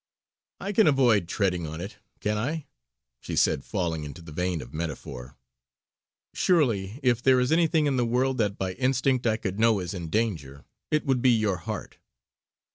"I can avoid treading on it, can't I?" she said falling into the vein of metaphor. "Surely, if there is anything in the world that by instinct I could know is in danger, it would be your heart!"